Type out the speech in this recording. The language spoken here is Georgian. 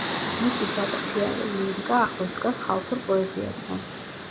მისი სატრფიალო ლირიკა ახლოს დგას ხალხურ პოეზიასთან.